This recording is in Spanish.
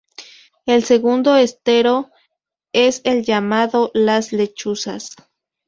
El segundo estero es el llamado Las Lechuzas.